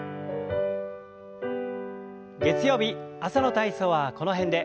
月曜日朝の体操はこの辺で。